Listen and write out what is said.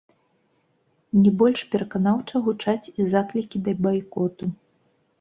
Не больш пераканаўча гучаць і заклікі да байкоту.